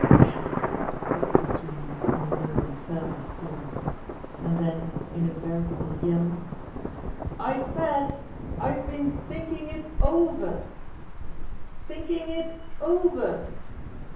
"Damn it !" said Little Sweeney in low and fervent tones ; and then in a veritable yell : "I said I'd been thinking it over! Thinking it over!